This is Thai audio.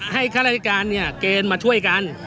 ข้าราชการเนี่ยเกณฑ์มาช่วยกัน